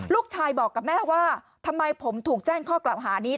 ลูกชายบอกกับแม่ว่าทำไมผมถูกแจ้งข้อกล่าวหานี้